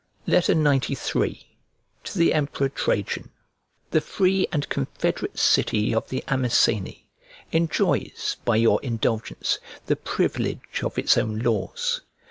XCIII To THE EMPEROR TRAJAN THE free and confederate city of the Amiseni enjoys, by your indulgence, the privilege of its own laws.